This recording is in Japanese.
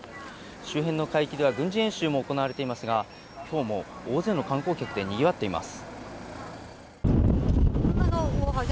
周辺の海域では軍事演習が行われていますが今日も大勢の観光客でにぎわっています。